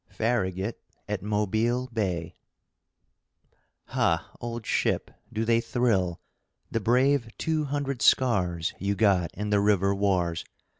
FARRAGUT AT MOBILE BAY Ha, old ship, do they thrill, The brave two hundred scars You got in the river wars?